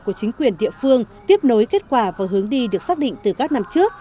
của chính quyền địa phương tiếp nối kết quả và hướng đi được xác định từ các năm trước